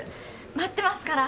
待ってますから。